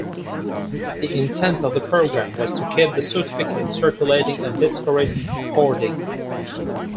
The intent of the program was to keep the certificates circulating and discourage hoarding.